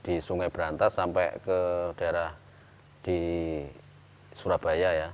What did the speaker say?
di sungai berantas sampai ke daerah di surabaya ya